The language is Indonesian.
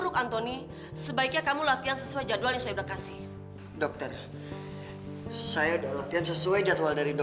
hantu kenapa sih menyembunyikan semuanya dari aku